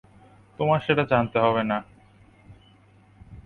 তোমার সেটা জানতে হবে না।